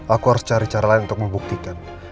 aku harus cari cara lain untuk membuktikan